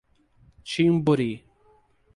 Timburi